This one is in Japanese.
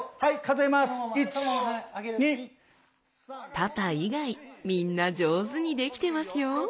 パパ以外みんな上手にできてますよ